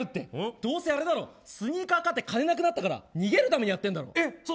どうせあれだろスニーカー買えなくなったから返せなくなったから逃げるために言ってるだろ。